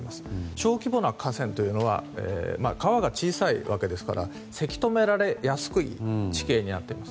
小規模な河川というのは川が小さいわけですからせき止められやすい地形になっています。